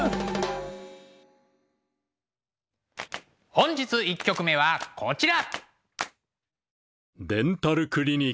本日１曲目はこちら！